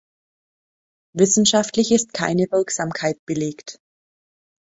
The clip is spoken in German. Wissenschaftlich ist keine Wirksamkeit belegt.